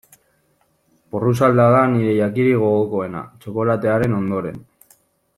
Porrusalda da nire jakirik gogokoena, txokolatearen ondoren.